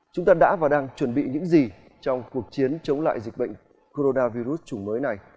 chúng ta đã và đang chuẩn bị những gì trong cuộc chiến chống lại dịch bệnh coronavir mới này